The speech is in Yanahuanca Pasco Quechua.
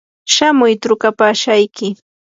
shamuy trukapashayki.